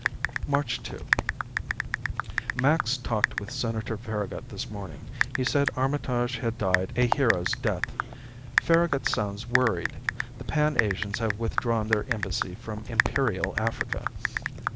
March 2 Max talked with Senator Farragut this morning. He said Armitage had died a hero's death. Farragut sounds worried. The Pan Asians have withdrawn their embassy from Imperial Africa.